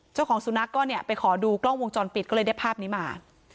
เจ้าของสุนัขก็เนี่ยไปขอดูกล้องวงจรปิดก็เลยได้ภาพนี้มา